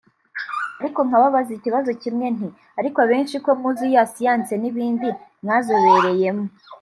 ariko nkababaza ikibazo kimwe nti ‘ariko abenshi ko muzi za siyansi n’ibindi mwazobereyemo